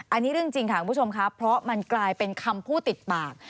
อันนี้เรื่องจริงค่ะคุณผู้ชมครับเพราะมันกลายเป็นคำพูดติดปาก